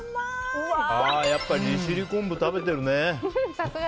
やっぱり利尻昆布食べてるね。